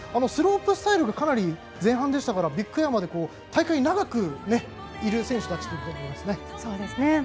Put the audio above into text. スロープスタイルがかなり前半でしたからビッグエアまで大会に長くいる選手たちですね。